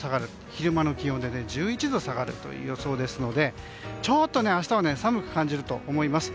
昼間の気温で１１度下がるという予想ですので、ちょっと明日は寒く感じると思います。